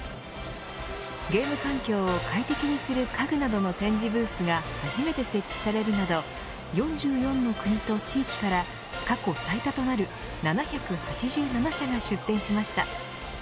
ゲーム環境を快適にする家具などの展示ブースが初めて設置されるなど４４の国と地域から過去最多となる７８７社が出展しました。